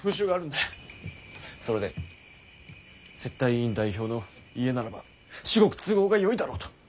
それで接待委員代表の家ならば至極都合がよいだろうと。